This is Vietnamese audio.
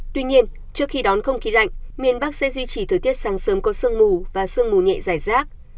tuy nhiên trước khi đón không khí lạnh miền bắc sẽ duy trì thời tiết sáng sớm có sương mù và sương mù nhẹ dài rác